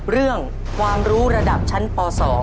เรื่องความรู้ระดับชั้นป๒